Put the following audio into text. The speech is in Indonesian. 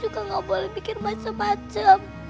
kau boleh bikin macem macem